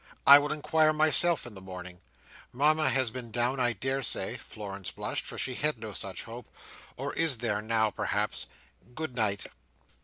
I will inquire myself in the morning. Mama has been down, I daresay;" Florence blushed, for she had no such hope; "or is there now, perhaps. Good night!"